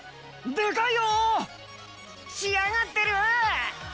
でかいよ！しあがってる！